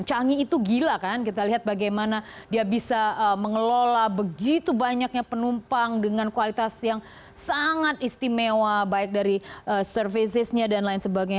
canggih itu gila kan kita lihat bagaimana dia bisa mengelola begitu banyaknya penumpang dengan kualitas yang sangat istimewa baik dari servicesnya dan lain sebagainya